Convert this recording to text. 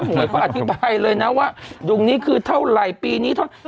เหมือนเขาอธิบายเลยนะว่าดวงนี้คือเท่าไหร่ปีนี้เท่าไห